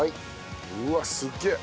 うわっすげえ！